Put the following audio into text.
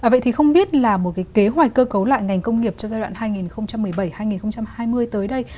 vậy thì không biết là một kế hoạch cơ cấu lại ngành công nghiệp cho giai đoạn hai nghìn một mươi bảy hai nghìn hai mươi tới đây